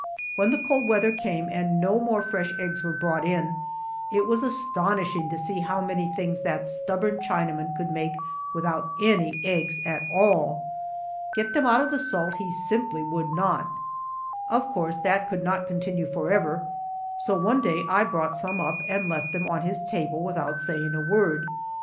When the cold weather came and no more fresh eggs were brought in, it was astonishing to see how many things that stubborn Chinaman could make without any eggs at all. Get them out of the salt he simply would not. Of course that could not continue forever, so one day I brought some up and left them on his table without saying a word.